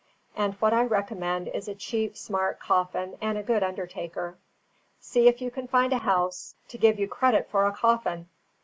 And what I recommend is a cheap, smart coffin and a good undertaker. See if you can find a house to give you credit for a coffin!